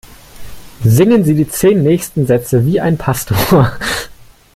Singen Sie die zehn nächsten Sätze wie ein Pastor!